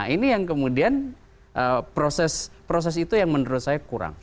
ini yang kemudian proses itu yang menurut saya kurang